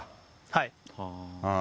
はい。